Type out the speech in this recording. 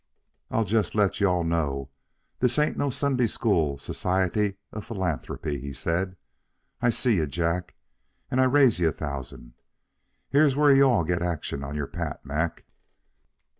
"I'll just let you all know this ain't no Sunday school society of philanthropy," he said. "I see you, Jack, and I raise you a thousand. Here's where you all get action on your pat, Mac."